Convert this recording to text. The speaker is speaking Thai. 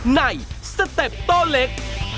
ในสเต็ปโต้เล็ก